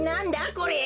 これ。